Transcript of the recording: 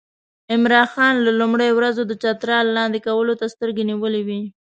عمرا خان له لومړیو ورځو د چترال لاندې کولو ته سترګې نیولې وې.